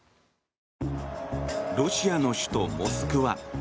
ロシアの首都モスクワ。